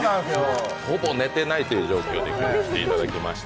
ほぼ寝てないという状況で来ていただきました。